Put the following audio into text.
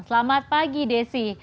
selamat pagi desi